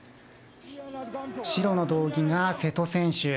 白の道着が瀬戸選手。